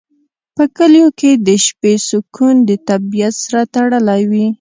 په کلیو کې د شپې سکون د طبیعت سره تړلی وي.